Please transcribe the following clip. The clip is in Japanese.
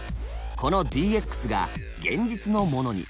このＤＸが現実のものに。